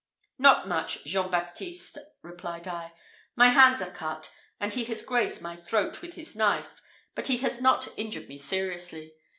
"Not much, Jean Baptiste," replied I: "my hands are cut, and he has grazed my throat with his knife; but he has not injured me seriously.